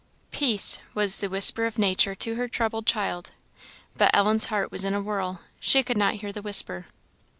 "Peace," was the whisper of nature to her troubled child; but Ellen's heart was in a whirl; she could not hear the whisper.